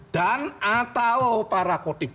dan atau para kotip